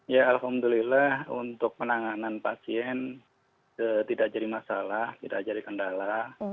ya alhamdulillah untuk penanganan pasien tidak jadi masalah tidak jadi kendala